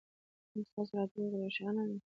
ایا ستاسو راتلونکې روښانه ده؟